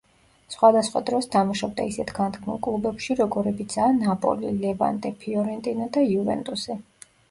სხვადასხვა დროს თამაშობდა ისეთ განთქმულ კლუბებში როგორებიცაა „ნაპოლი“, „ლევანტე“, „ფიორენტინა“ და „იუვენტუსი“.